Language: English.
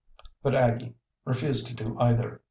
But Aggie refused to do either.